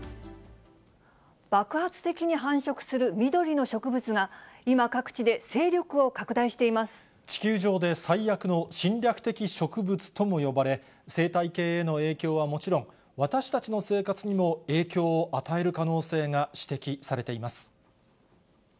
爆発的に繁殖する緑の植物が、地球上で最悪の侵略的植物とも呼ばれ、生態系への影響はもちろん、私たちの生活にも影響を与える可能性が指摘されています。